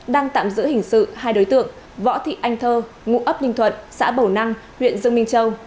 đang tạm giữ hình sự hai đối tượng võ thị anh thơ ngụ ấp ninh thuận xã bầu năng huyện dương minh châu